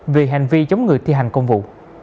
vì hành vi chống người thi hành công vụ